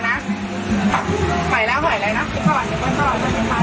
รับมาถ่ายนะแล้วล่ะครับส่วนผู้ชิงสร้างเลยไป